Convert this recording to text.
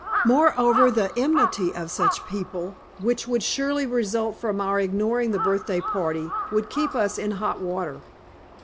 Moreover, the enmity of such people which would surely result from our ignoring the birthday party would keep us in hot water."